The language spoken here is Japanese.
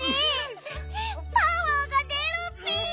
パワーが出るッピ！